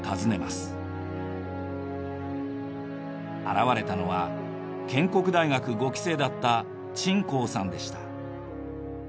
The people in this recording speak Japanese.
現れたのは建国大学５期生だった陳抗さんでした。